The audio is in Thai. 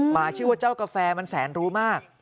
หมาชื่อว่าเจ้ากาแฟมันแสนรู้มาก